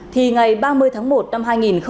thì ngày ba mươi tháng một năm hai nghìn một mươi tám